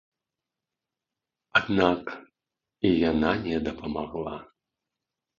Аднак і яна не дапамагла.